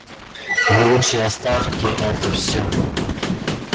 Вы лучше оставьте это всё.